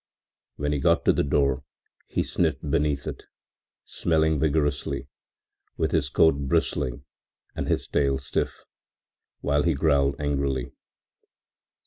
When he got to the door, he sniffed beneath it, smelling vigorously, with his coat bristling and his tail stiff, while he growled angrily.